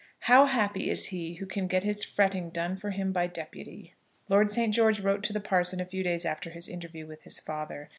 How happy is he who can get his fretting done for him by deputy! Lord St. George wrote to the parson a few days after his interview with his father.